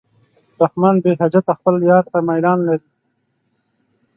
رحمان بېحجته خپل یار ته میلان لري.